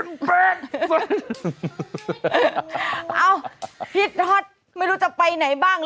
เอ๊าพี่ทอสไม่รู้จะไปไหนบ้าง